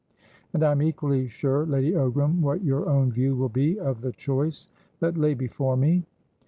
And I am equally sure, Lady Ogram, what your own view will be of the choice that lay before me."